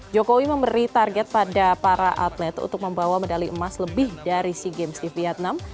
jokowi memberi target pada para atlet untuk membawa medali emas lebih dari sea games di vietnam